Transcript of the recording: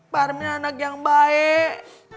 parmin anak yang baik